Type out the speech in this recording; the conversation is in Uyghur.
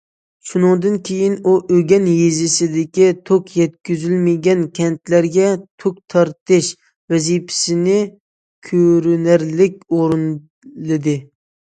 شۇنىڭدىن كېيىن ئۇ ئۆگەن يېزىسىدىكى توك يەتكۈزۈلمىگەن كەنتلەرگە توك تارتىش ۋەزىپىسىنى كۆرۈنەرلىك ئورۇنلىدى.